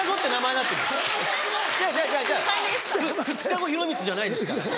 「２日後宏光」じゃないですから。